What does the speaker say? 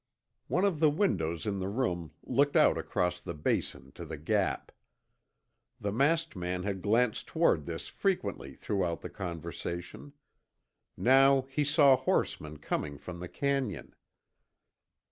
One of the windows in the room looked out across the Basin to the Gap. The masked man had glanced toward this frequently throughout the conversation. Now he saw horsemen coming from the canyon.